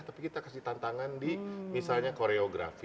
tapi kita kasih tantangan di misalnya koreografi